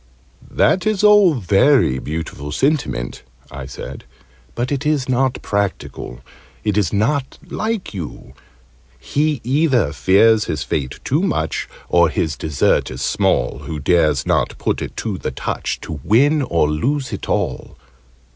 "That is all very beautiful sentiment," I said, "but it is not practical. It is not like you. He either fears his fate too much, Or his desert is small, Who dares not put it to the touch, To win or lose it all."